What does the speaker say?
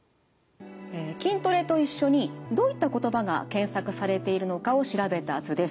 「筋トレ」と一緒にどういった言葉が検索されているのかを調べた図です。